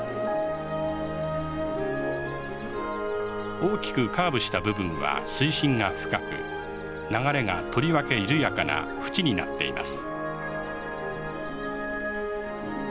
大きくカーブした部分は水深が深く流れがとりわけ緩やかなふちになっています。